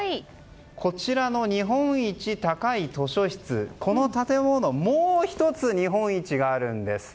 こちらの日本一高い図書室この建物、もう１つ日本一があるんです。